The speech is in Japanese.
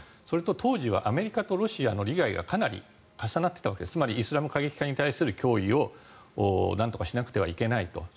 それと当時はアメリカとロシアの利害がかなり重なっていたわけでつまりイスラム過激派に対する脅威をなんとかしないといけないと。